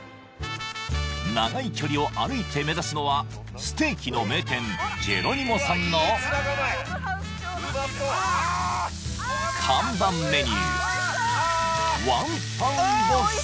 長い距離を歩いて目指すのはステーキの名店ジェロニモさんの看板メニュー